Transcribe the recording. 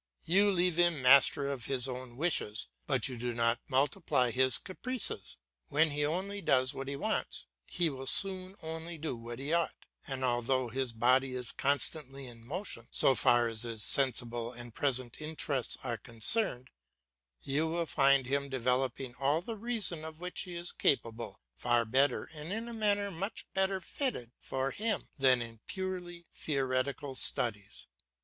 You leave him master of his own wishes, but you do not multiply his caprices. When he only does what he wants, he will soon only do what he ought, and although his body is constantly in motion, so far as his sensible and present interests are concerned, you will find him developing all the reason of which he is capable, far better and in a manner much better fitted for him than in purely theoretical studies.